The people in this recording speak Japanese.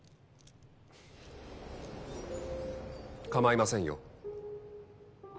構いませんよ。